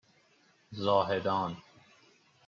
زاهدان